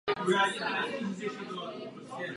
Kapitán hodlá rezignovat.